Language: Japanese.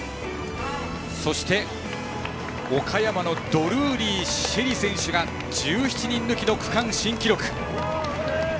そして、岡山のドルーリー朱瑛里選手が１７人抜きの区間新記録。